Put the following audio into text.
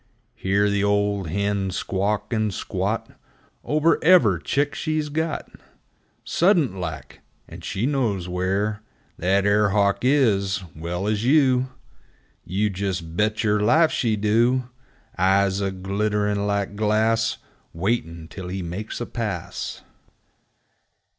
Hear the old hen squawk, and squat Over ever' chick she's got, Suddent like ! And she knows where That air hawk is, well as you ! You jes' bet yer life she do ! Eyes a glittern' like glass, Waitin' till he makes a pass!